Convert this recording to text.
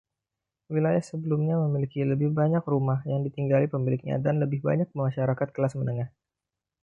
Wilayah sebelumnya memiliki lebih banyak rumah yang ditinggali pemiliknya dan lebih banyak masyarakat kelas menengah.